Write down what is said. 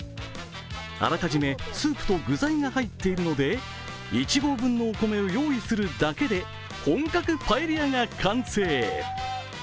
あらかじめスープと具材が入っているので１合分のお米を用意するだけで本格パエリアが完成。